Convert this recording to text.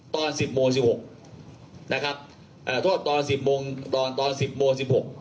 ตอนสิบโมงสิบหกนะครับเอ่อทั่วตอนสิบโมงตอนตอนสิบโมงสิบหก